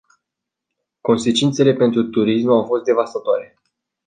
Consecințele pentru turism au fost devastatoare.